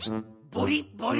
「ボリボリ！」